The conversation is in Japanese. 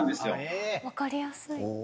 わかりやすい。